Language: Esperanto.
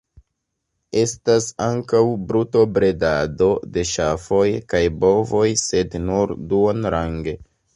Estas ankaŭ brutobredado de ŝafoj kaj bovoj sed nur duonrange.